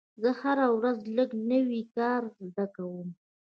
زه هره ورځ لږ نوی کار زده کوم.